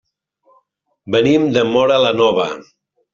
Venim de Móra la Nova.